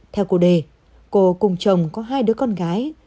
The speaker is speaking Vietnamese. theo cụ đề cô cùng chồng có hai đứa con gái